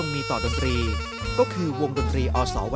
เมื่อเวลาเมื่อเวลา